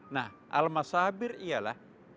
nah al masabir ialah